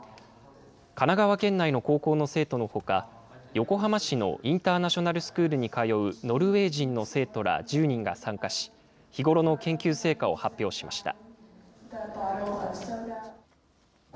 神奈川県内の高校の生徒のほか、横浜市のインターナショナルスクールに通うノルウェー人の生徒ら１０人が参加し、日頃の研究成果を発表しました。